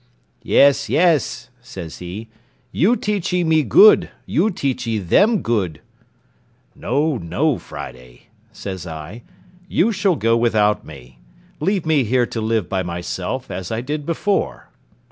"Yes, yes," says he, "you teachee me good, you teachee them good." "No, no, Friday," says I, "you shall go without me; leave me here to live by myself, as I did before."